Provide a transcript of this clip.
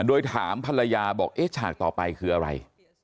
โดยถามภรรยาบอกเอ๊ะฉากต่อไปคืออะไร